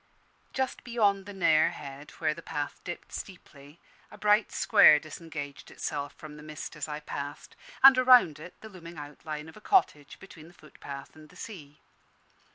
Just beyond the Nare Head, where the path dipped steeply, a bright square disengaged itself from the mist as I passed, and, around it, the looming outline of a cottage, between the footpath and the sea.